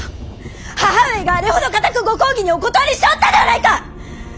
母上があれほど固くご公儀にお断りしておったではないか！